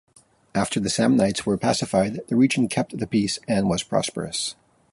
After the Samnites were pacified, the region kept the peace and was prosperous.